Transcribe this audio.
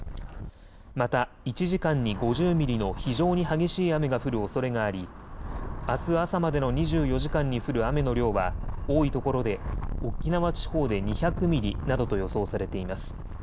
また１時間に５０ミリの非常に激しい雨が降るおそれがありあす朝までの２４時間に降る雨の量は多いところで沖縄地方で２００ミリなどと予想されています。